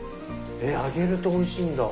えっ揚げるとおいしいんだ。